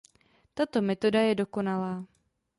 Tato metoda je dokonalá.